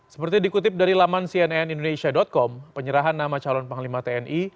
seperti dikutip dari laman cnnindonesia com penyerahan nama calon panglima tni